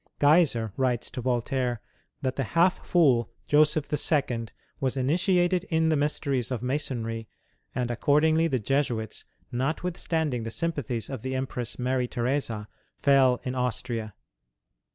Geiser writes to Voltaire that the half fool Joseph II. was initiated in the mysteries of Masonry andaccordingly the Jesuits, notwithstanding the sympathies of the Empress Mary Theresa, fell in Austria.